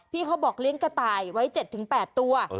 เขาบอกเลี้ยงกระต่ายไว้๗๘ตัว